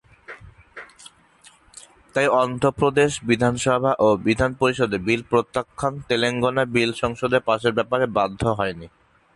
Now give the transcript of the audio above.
তাই অন্ধ্রপ্রদেশ বিধানসভা ও বিধান পরিষদের বিল প্রত্যাখ্যান তেলেঙ্গানা বিল সংসদে পাসের ব্যাপারে বাধা হয়নি।